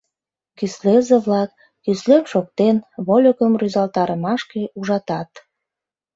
Кӱслезе-влак, кӱслем шоктен, вольыкым рӱзалтарымашке ужатат.